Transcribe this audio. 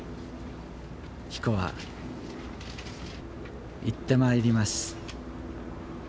紀子は、行ってまいります。